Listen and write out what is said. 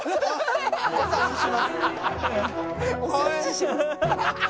「お察しします」。